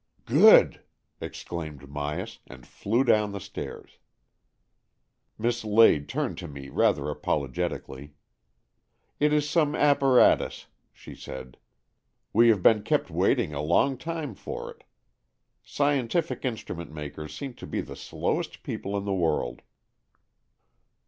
" Good !" exclaimed Myas, and flew down the stairs. Miss Lade turned to me rather apologetic ally. " It is some apparatus," she said. "We have been kept waiting a long time for it. Scientific instrument makers seem to be the slowest people in the world."